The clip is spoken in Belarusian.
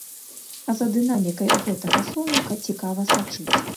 За дынамікай гэтага слоўніка цікава сачыць.